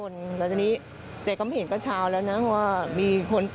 งงไม่รู้จะวนทั้งไหน